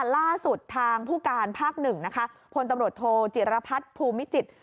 ล่าสุดทางผู้การภาค๑นะคะพลตำรวจโทจิรพัฒน์ภูมิจิตร